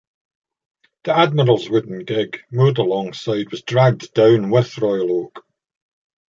The admiral's wooden gig, moored alongside, was dragged down with "Royal Oak".